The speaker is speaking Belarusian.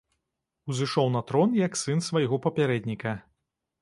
Узышоў на трон як сын свайго папярэдніка.